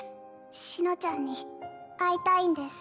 紫乃ちゃんに会いたいんです。